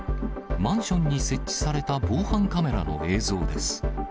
マンションに設置された防犯カメラの映像です。